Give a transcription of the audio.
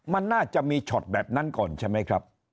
มันน่าจะมีช็อตแบบนั้นก่อนใช่ไหมครับ